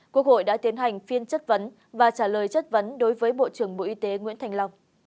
quốc hội đã tiến hành phiên chất vấn và trả lời chất vấn đối với bộ trưởng bộ y tế nguyễn thành long